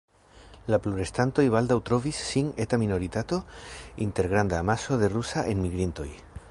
La plurestantoj baldaŭ trovis sin eta minoritato inter granda amaso da rusaj enmigrintoj.